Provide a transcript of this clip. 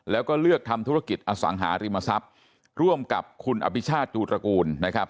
แล้วก็เลือกทำธุรกิจอสังหาริมทรัพย์ร่วมกับคุณอภิชาติตูตระกูลนะครับ